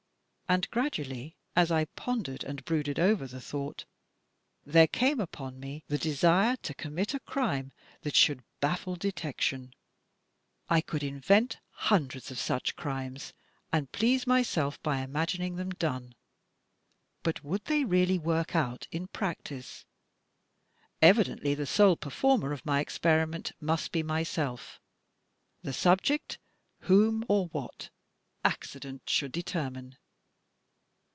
And gradually, as I pondered and brooded over the thought, there came upon me the desire to commit a crime that should baffle detection. I coidd invent hundreds of such crimes, and please myself by imagining them done; but woidd they really work out in practice? Evidently the sole per former of my experiment must be myself; the subject whom or what? Accident should determine.